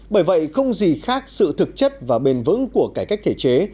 bởi vậy không gì khác sự thực chất và bền vững của cải cách thể chế